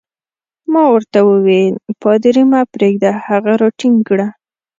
ما ورته وویل: پادري مه پرېږده، هغه راټینګ کړه.